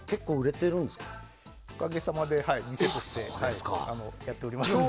おかげさまで店としてやっておりますので。